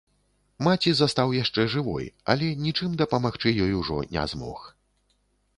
Маці застаў яшчэ жывой, але нічым дапамагчы ёй ужо не змог.